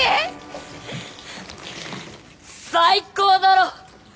最高だろ？